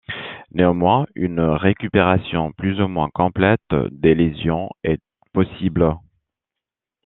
Néanmoins, une récupération plus ou moins complète des lésions, est possible.